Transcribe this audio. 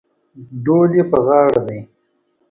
ډول یې پر غاړه دی.